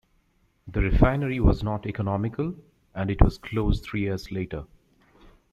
The refinery was not economical, and it was closed three years later.